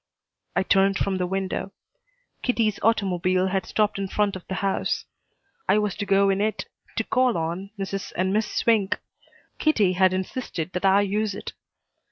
I turned from the window. Kitty's automobile had stopped in front of the house. I was to go in it to call on Mrs. and Miss Swink. Kitty had insisted that I use it.